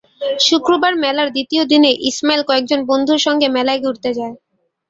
শুক্রবার মেলার দ্বিতীয় দিনে ইসমাইল কয়েকজন বন্ধুর সঙ্গে মেলায় ঘুরতে যায়।